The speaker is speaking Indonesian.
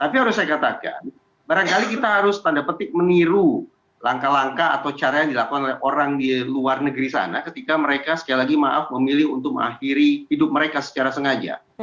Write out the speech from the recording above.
tapi harus saya katakan barangkali kita harus tanda petik meniru langkah langkah atau cara yang dilakukan oleh orang di luar negeri sana ketika mereka sekali lagi maaf memilih untuk mengakhiri hidup mereka secara sengaja